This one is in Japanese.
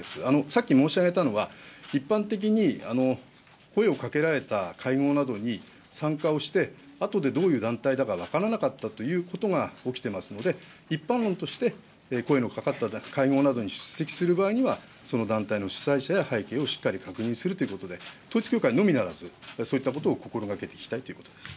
さっき申し上げたのは、一般的に声をかけられた会合などに参加をして、あとでどういう団体だか分からなかったということが起きてますので、一般論として、声のかかった会合などに出席する場合には、その団体の主催者や背景をしっかり確認するということで、統一教会のみならず、そういったことを心がけていきたいということです。